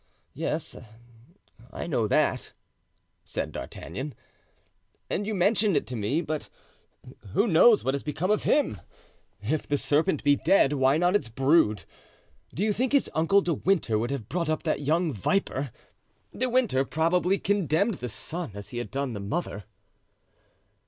yes, I know that," said D'Artagnan, "and you mentioned it to me; but who knows what has become of him? If the serpent be dead, why not its brood? Do you think his uncle De Winter would have brought up that young viper? De Winter probably condemned the son as he had done the mother."